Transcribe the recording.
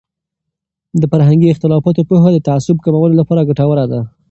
د فرهنګي اختلافاتو پوهه د تعصب کمولو لپاره ګټوره دی.